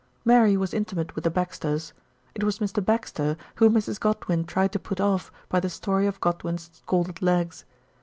Mary was intimate with the Baxters. It was Mr. Baxter whom Mrs. Godwin tried to put off by the story of Godwin's scalded legs.